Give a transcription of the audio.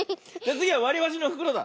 つぎはわりばしのふくろだ。